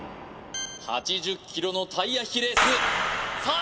８０ｋｇのタイヤ引きレースさあ